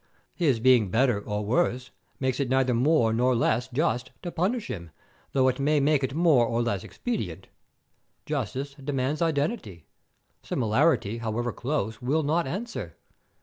His being better or worse makes it neither more nor less just to punish him, though it may make it more or less expedient. Justice demands identity; similarity, however close, will not answer.